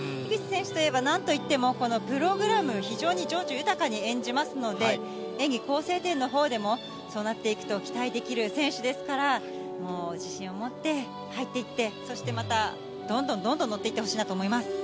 樋口選手といえば、なんといっても、このプログラム、非常に情緒豊かに演じますので、演技構成点のほうでもそうなっていくと期待できる選手ですから、自信を持って入っていって、そしてまた、どんどんどんどん持っていってほしいなと思います。